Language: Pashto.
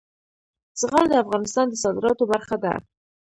زغال د افغانستان د صادراتو برخه ده.